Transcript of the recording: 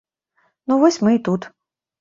Ну, вось мы і тут.